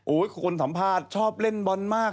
คนสัมภาษณ์ชอบเล่นบอลมาก